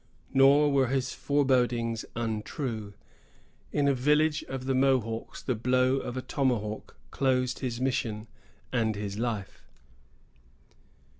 Nor were his forebodings untrue. In a village of the Mohawks, the blow of a tomahawk closed his mission and his life.